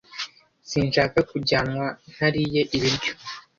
sinshaka kujyanwa ntariye ibiryo